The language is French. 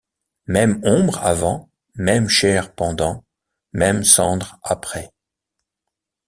Même ombre avant, même chair pendant, même cendre après.